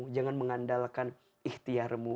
jangan mengandalkan ikhtiarmu